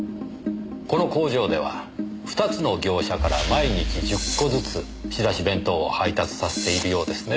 この工場では２つの業者から毎日１０個ずつ仕出し弁当を配達させているようですね。